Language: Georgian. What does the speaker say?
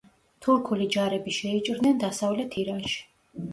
თურქული ჯარები შეიჭრნენ დასავლეთ ირანში.